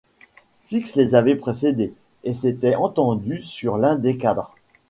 Fix les y avait précédés, et s’était étendu sur l’un des cadres.